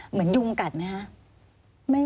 เหมือนยุงกัดไหมคะ